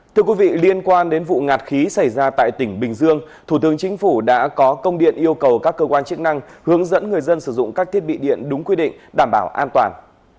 thưa quý vị liên quan đến vụ ngạt khí xảy ra tại tỉnh bình dương thủ tướng chính phủ đã có công điện yêu cầu các cơ quan chức năng hướng dẫn người dân sử dụng các thiết bị điện đúng quy định đảm bảo an toàn